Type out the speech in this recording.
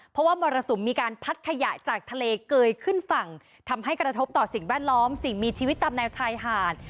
เพราะว่ามรสุมมีการพัดขยะจากทะเลเกยขึ้นฝั่งทำให้กระทบต่อสิ่งแวดล้อมสิ่งมีชีวิตตามแนวชายหาด